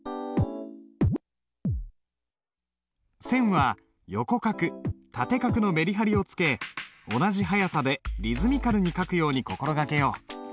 線は横画縦画のメリハリをつけ同じ速さでリズミカルに書くように心掛けよう。